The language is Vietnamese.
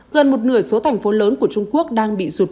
gần một nửa số thành phố lớn của trung quốc đang bị sụt